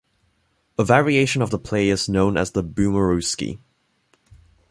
A variation of the play is known as the Bumerooski.